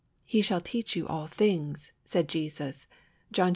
"He shall teach you all things," said Jesus (John xiv.